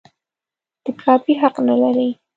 د کاپي حق نه لري.